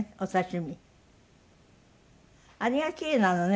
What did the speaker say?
あれがキレイなのね